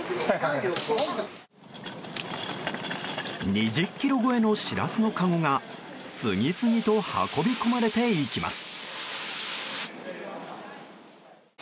２０ｋｇ超えのシラスのかごが次々と運び込まれていきます。